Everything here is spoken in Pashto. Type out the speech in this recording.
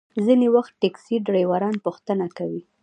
ځینې وخت ټکسي ډریوران پوښتنه کوي.